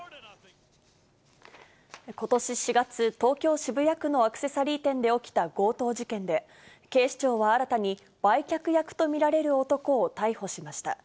ことし４月、東京・渋谷区のアクセサリー店で起きた強盗事件で、警視庁は新たに、売却役と見られる男を逮捕しました。